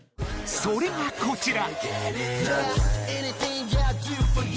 それがこちら